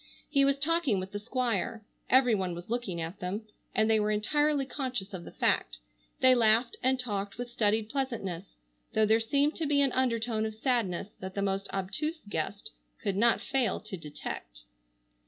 He was talking with the Squire. Every one was looking at them, and they were entirely conscious of the fact. They laughed and talked with studied pleasantness, though there seemed to be an undertone of sadness that the most obtuse guest could not fail to detect.